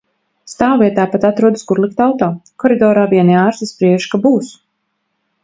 Stāvvietā pat atrodas, kur likt auto. Koridorā vieni ārsti spriež, ka būs !